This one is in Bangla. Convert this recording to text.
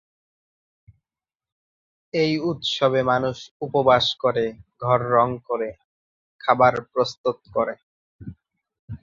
এই উৎসবে মানুষ উপবাস করে, ঘর রং করে, খাবার প্রস্তুত করে।